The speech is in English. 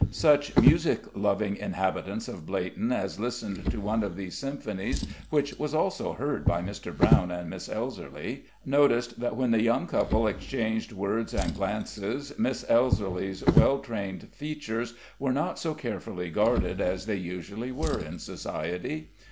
Such music loving inhabitants of Bleighton as listened to one of these symphonies, which was also heard by Mr. Brown and Miss Elserly, noticed that when the young couple exchanged words and glances, Miss Elserly's well trained features were not so carefully guarded as they usually were in society.